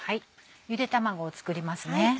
ゆで卵を作りますね。